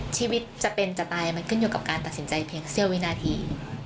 ชีวิตจะเป็นจะตายมันขึ้นอยู่กับการตัดสินใจเพียงเสี้ยววินาที